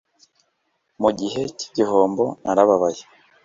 mu gihe cy igihombo narababaye